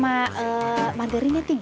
mau beli tepung sekilo